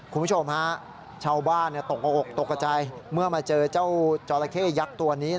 คุณผู้ชมชาวบ้านตกกระจายเมื่อมาเจอเจ้าจรคะเย็กตัวนี้